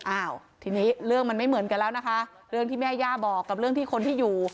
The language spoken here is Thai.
อ้าวทีนี้เรื่องมันไม่เหมือนกันแล้วนะคะเรื่องที่แม่ย่าบอกกับเรื่องที่คนที่อยู่